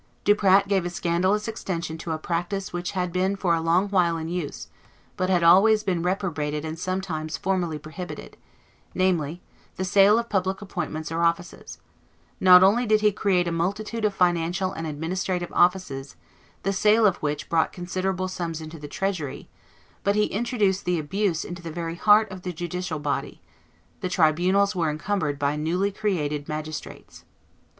Duprat gave a scandalous extension to a practice which had been for a long while in use, but had always been reprobated and sometimes formally prohibited, namely, the sale of public appointments or offices: not only did he create a multitude of financial and administrative offices, the sale of which brought considerable sums into the treasury, but he introduced the abuse into the very heart of the judicial body; the tribunals were encumbered by newly created magistrates.